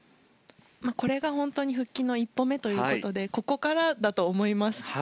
これが本当に復帰の一歩目ということでここからだと思います。